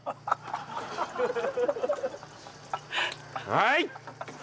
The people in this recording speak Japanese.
はい！